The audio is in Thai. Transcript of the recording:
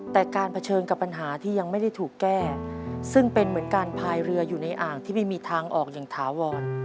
แต่การเผชิญกับปัญหาที่ยังไม่ได้ถูกแก้ซึ่งเป็นเหมือนการพายเรืออยู่ในอ่างที่ไม่มีทางออกอย่างถาวร